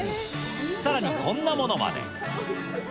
さらにこんなものまで。